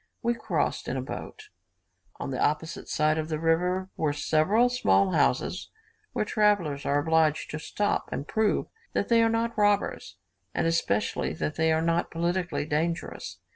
We crossed in a boat. On the opposite side of the river were several small houses where travellers are obliged to stop and prove that they are not robbers, and especially that they are not politically dangerous.